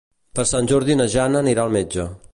Per Sant Jordi na Jana anirà al metge.